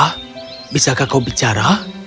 nona bisakah kau bicara